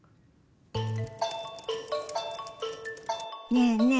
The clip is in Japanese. ねえねえ